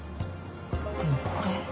でもこれ。